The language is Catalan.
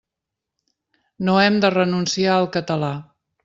No hem de renunciar al català.